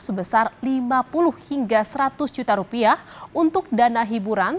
sebesar lima puluh hingga seratus juta rupiah untuk dana hiburan